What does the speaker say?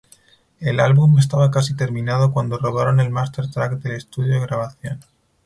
El álbum estaba casi terminado cuando robaron el máster track del estudio de grabación.